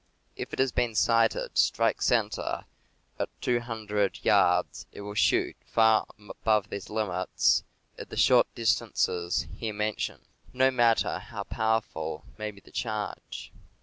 If it has been sighted to strike cen ter at 200 yards, it will shoot far above these limits at the short distances here mentioned, no matter how powerful may be the charge.